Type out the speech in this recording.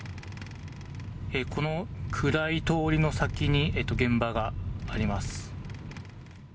この暗い通りの先に現場があります。